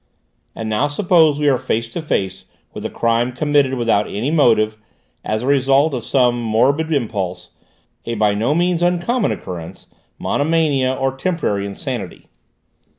"And now suppose we are face to face with a crime committed without any motive, as a result of some morbid impulse, a by no means uncommon occurrence, monomania or temporary insanity?